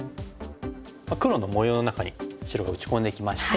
黒の模様の中に白が打ち込んできまして。